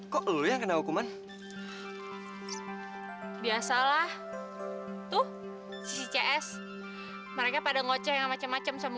kok lu yang kena hukuman biasalah tuh ccs mereka pada ngeceh yang macem macem sama